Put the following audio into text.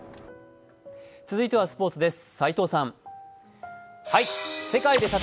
続いてはスポーツです。